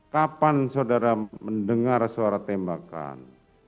kapan saudara mendengar suara tembakan